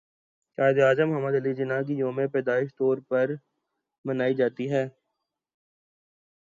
قائد اعظم محمد علی جناح کے يوم پیدائش طور پر منائی جاتى ہے